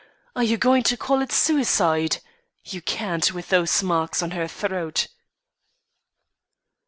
Are you going to call it suicide? You can't, with those marks on her throat."